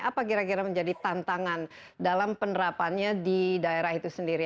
apa kira kira menjadi tantangan dalam penerapannya di daerah itu sendiri